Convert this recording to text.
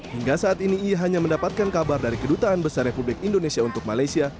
hingga saat ini ia hanya mendapatkan kabar dari kedutaan besar republik indonesia untuk malaysia